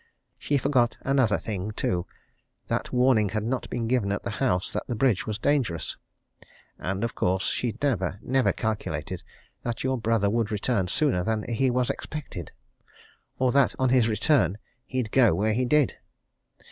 She forgot another thing, too that warning had not been given at the house that the bridge was dangerous. And, of course, she'd never, never calculated that your brother would return sooner than he was expected, or that, on his return, he'd go where he did.